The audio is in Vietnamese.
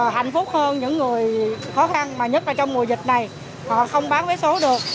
hạnh phúc hơn những người khó khăn mà nhất là trong mùa dịch này họ không bán vé số được